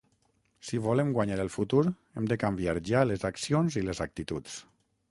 Si volem guanyar el futur, hem de canviar ja les accions i les actituds.